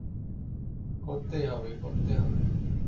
করতেই হবে, করতেই হবে।